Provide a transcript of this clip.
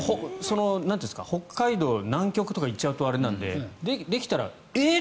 北海道、南極とか行っちゃうとあれなんでできたらえっ？